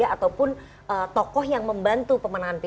ataupun tokoh yang membantu pemenangan p tiga